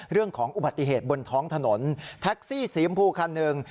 เรื่องของอุบัติเหตุบนท้องถนนแท็กซี่สีชมพูคันหนึ่ง